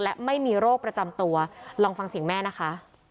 และไม่มีโรคประจำตัวลองฟังเสียงแม่นะคะ